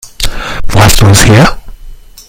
Wo hast du es her?